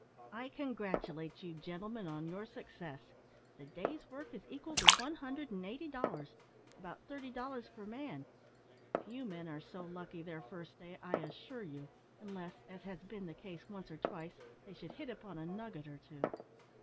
"I congratulate you, gentlemen, on your success. The day's work is equal to one hundred and eighty dollars about thirty dollars per man. Few men are so lucky their first day, I assure you, unless, as has been the case once or twice they should hit upon a nugget or two."